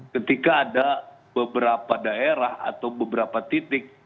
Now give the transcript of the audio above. ketika ada beberapa daerah atau beberapa titik